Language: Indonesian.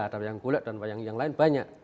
ada wayang gulet dan wayang yang lain banyak